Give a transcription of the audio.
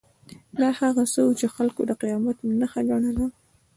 دا هغه څه وو چې خلکو د قیامت نښانه ګڼله.